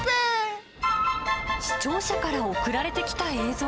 視聴者から送られてきた映像。